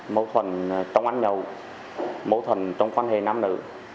mâu thuẫn trong ăn nhậu mâu thuẫn trong quan hệ nam nữ